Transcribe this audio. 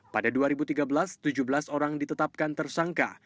pada dua ribu tiga belas tujuh belas orang ditetapkan tersangka